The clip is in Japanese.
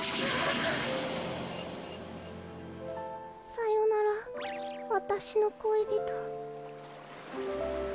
さよならわたしの恋人。